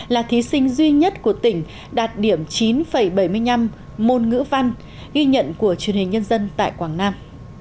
là thí sinh duy nhất của tỉnh đạt điểm chín bảy mươi năm môn ngữ văn ghi nhận của truyền hình nhân dân tại quảng nam